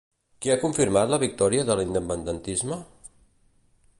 Qui ha confirmat la victòria de l'independentisme?